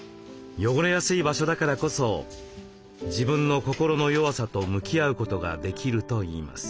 汚れやすい場所だからこそ自分の心の弱さと向き合うことができるといいます。